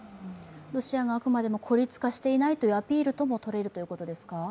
ロシアがあくまでも孤立化していないというアピールともとれるということですか？